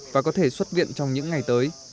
và có thể xuất viện trong những ngày tới